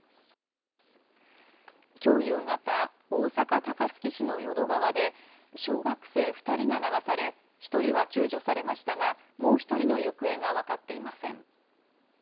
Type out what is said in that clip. きょう夕方、大阪高槻市の淀川で小学生２人が流され１人は救助されましたが、もう１人の行方が分かっていません。